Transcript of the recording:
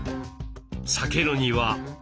避けるには。